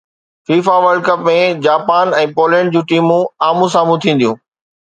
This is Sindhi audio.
FIFA world cup ۾ Japan ۽ Poland جون ٽيمون آمهون سامهون ٿينديون